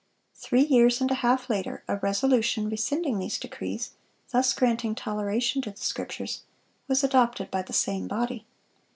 Three years and a half later a resolution rescinding these decrees, thus granting toleration to the Scriptures, was adopted by the same body.